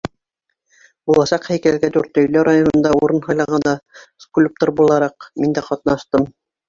Буласаҡ һәйкәлгә Дүртөйлө районында урын һайлағанда, скульптор булараҡ, мин дә ҡатнаштым.